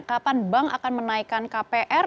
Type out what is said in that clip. kapan bank akan menaikkan kpr